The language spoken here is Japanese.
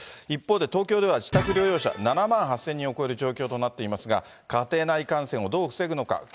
一方で東京では自宅療養者７万８０００人を超える状況となっていますが、家庭内感染をどう防ぐのか。